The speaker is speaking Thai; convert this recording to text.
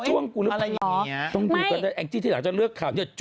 จ้วงกูหรือเปล่าต้องดูกับแองจิที่หลังจะเลือกข่าวเนี่ย